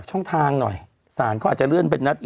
กรมป้องกันแล้วก็บรรเทาสาธารณภัยนะคะ